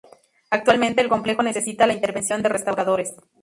Actualmente el complejo necesita la intervención de restauradores.